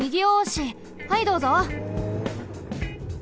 はいどうぞ。